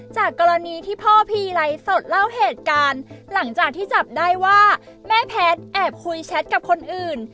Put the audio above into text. จากกรณีที่พ่อพีไลฟ์สดเล่าเหตุการณ์หลังจากที่จับได้ว่าแม่แพทย์แอบคุยแชทกับคนอื่น